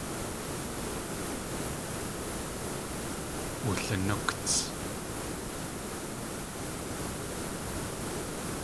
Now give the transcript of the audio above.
Wulinúkts.